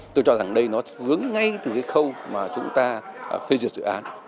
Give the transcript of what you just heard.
tôi cho rằng đây nó vướng ngay từ cái khâu mà chúng ta phê duyệt dự án